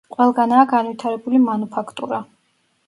ყველგანაა განვითარებული მანუფაქტურა.